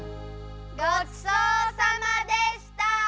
ごちそうさまでした！